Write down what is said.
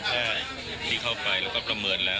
ใช่ที่เข้าไปแล้วก็ประเมินแล้ว